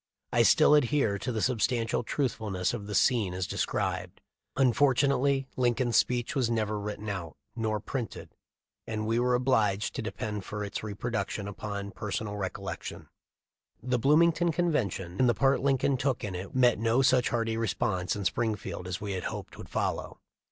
I still adhere to the substantial truthfulness of the scene as described. Unfortunately Lincoln's speech was never written out nor printed, and we are obliged to depend for its reproduction upon personal recollection. The Bloomington convention and the part Lin coln took in it met no such hearty response in Springfield as we hoped would follow.